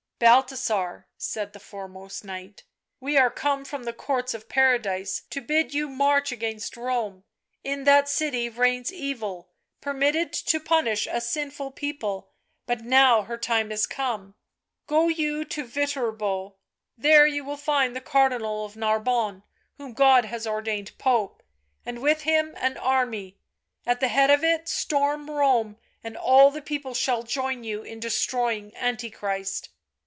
" Balthasar," said the foremost Knight, " we are come from the courts of Paradise to bid you march against Rome. In that city reigns Evil, permitted to punish a sinful people, but now her time is come. Go Digitized by UNIVERSITY OF MICHIGAN Original from UNIVERSITY OF MICHIGAN BLACK MAGIC 243 you to Viterbo, there you will find the Cardinal of Narbonne, whom God has ordained Pope, and with him an army; at the head of it storm Borne, and all the people shall join you in destroying Antichrist."